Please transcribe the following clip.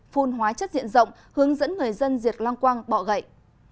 phun hóa chất diện rộng hướng dẫn người dân diệt long quang bọ gậy